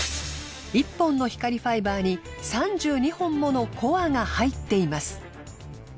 １本の光ファイバーに３２本ものコアが入っています。